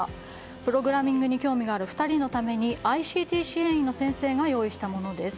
プログラミングに興味がある２人のためにＩＣＴ支援員の先生が用意したものです。